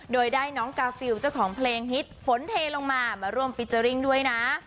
โดยได้น้องกาฟิลเจ้าของเพลงฮิตฝนเทลงมามาร่วมฟิเจอร์ริ่งด้วยนะ